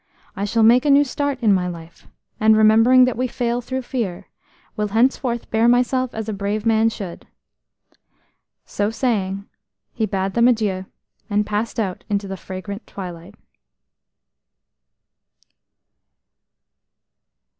I shall make a new start in life, and, remembering that we fail through fear, will henceforth bear myself as a brave man should." So saying, he bade them adieu, and passed out into the fragrant twilight.